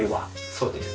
そうです。